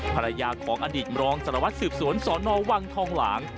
ภรรยาของอดีตรองสารวัตรสืบสวนสนวังทองหลาง